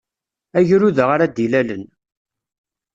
Agrud-a ara d-ilalen.